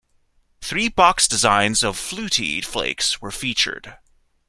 Three box designs of Flutie Flakes were featured.